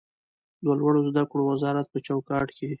د لوړو زده کړو وزارت په چوکاټ کې